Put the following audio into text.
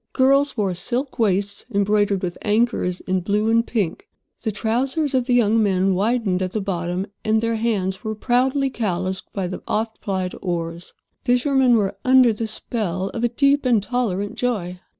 Girls wore silk waists embroidered with anchors in blue and pink. The trousers of the young men widened at the bottom, and their hands were proudly calloused by the oft plied oar. Fishermen were under the spell of a deep and tolerant joy.